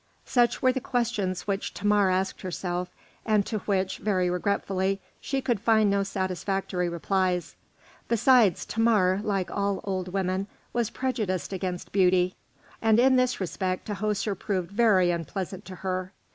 Such were the questions which Thamar asked herself, and to which, very regretfully, she could find no satisfactory replies. Besides, Thamar, like all old women, was prejudiced against beauty, and in this respect Tahoser proved very unpleasant to her.